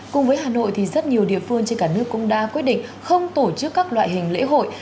cùng với hà nội thì rất nhiều địa phương trên cả nước cũng đã quyết định không tổ chức các loại hình lễ hội